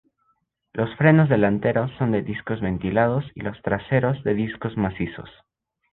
Los frenos delanteros son de discos ventilados y los traseros de discos macizos.